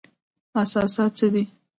احساسات څه دي؟